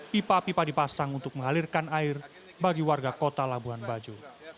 pipa pipa dipasang untuk mengalirkan air bagi warga kota labuan bajo